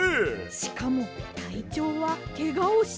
しかもたいちょうはけがをしているのに。